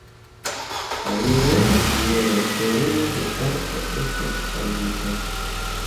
Aliro je la tereno de parko estas pagita.